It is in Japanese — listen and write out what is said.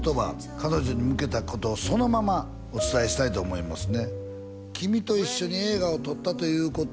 彼女に向けたことをそのままお伝えしたいと思いますね